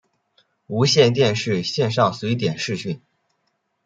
无线电视线上随点视讯